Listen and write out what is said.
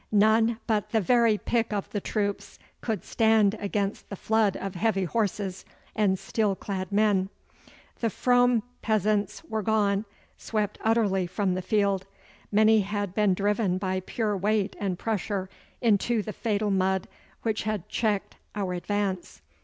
None but the very pick of the troops could stand against the flood of heavy horses and steel clad men. The Frome peasants were gone, swept utterly from the field. Many had been driven by pure weight and pressure into the fatal mud which had checked our advance.